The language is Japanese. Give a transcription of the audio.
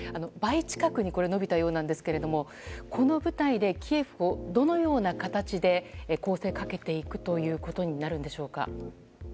倍近くに伸びたようなんですがこの部隊でキエフをどのような形で攻勢をかけていくことになるんでしょうか。